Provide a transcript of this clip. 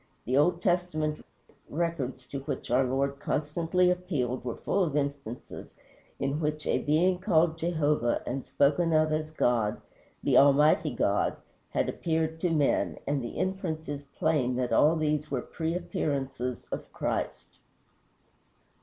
The Old Testament records to which our Lord constantly appealed were full of instances in which a being called Jehovah, and spoken of as God, the Almighty God, had appeared to men, and the inference is plain that all these were pre appearances of Christ.